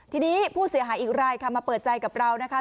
ทีนี้ผู้เสียหายอีกรายค่ะมาเปิดใจกับเรานะคะ